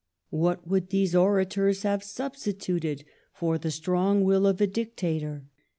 What would these orators have substituted for the strong will of a Dictator